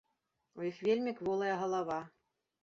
У іх вельмі кволая галава.